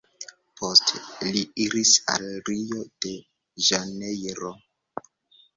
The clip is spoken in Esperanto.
Poste li iris al Rio-de-Ĵanejro.